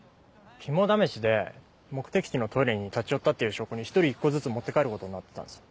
肝試しで目的地のトイレに立ち寄ったっていう証拠に１人１個ずつ持って帰ることになってたんですよ。